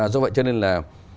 do vậy cho nên là